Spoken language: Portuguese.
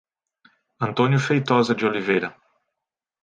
Antônio Feitoza de Oliveira